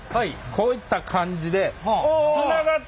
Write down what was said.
こういった感じで長っ！？